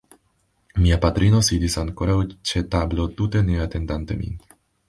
Mia patrino sidis ankoraŭ ĉe tablo tute ne atendante min.